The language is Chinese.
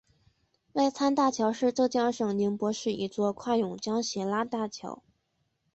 外滩大桥是浙江省宁波市一座跨甬江斜拉桥。